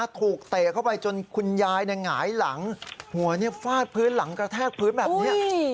เตะเข้าไปจนคุณยายหงายหลังหัวฟาดพื้นหลังกระแทกพื้นแบบนี้